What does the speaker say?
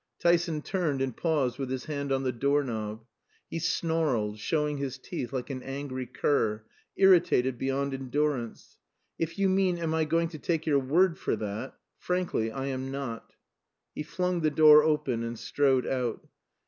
Tyson turned and paused with his hand on the door knob. He snarled, showing his teeth like an angry cur, irritated beyond endurance. "If you mean, am I going to take your word for that frankly, I am not." He flung the door open and strode out.